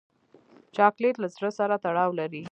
چاکلېټ له زړه سره تړاو لري.